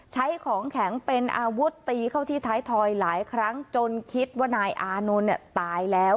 ใช้ของแข็งเป็นอาวุธตีเข้าที่ท้ายทอยหลายครั้งจนคิดว่านายอานนท์เนี่ยตายแล้ว